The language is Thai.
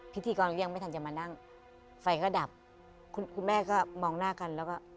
พิธีกรก็ยังไม่ทันจะมานั่งไฟก็ดับคุณคุณแม่ก็มองหน้ากันแล้วก็